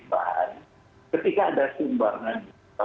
bahan ketika ada sumbangan